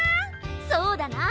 そうだな。